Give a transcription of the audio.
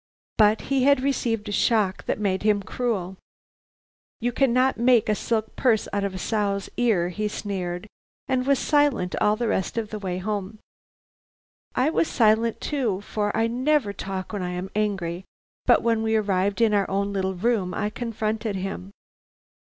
"But he had received a shock that made him cruel. 'You cannot make a silk purse out of a sow's ear,' he sneered, and was silent all the rest of the way home. I was silent too, for I never talk when I am angry, but when we arrived in our own little room I confronted him.